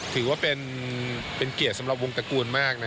ถือว่าเป็นเกียรติสำหรับวงตระกูลมาก